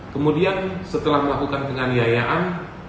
kemudian setelah melakukan penganiayaan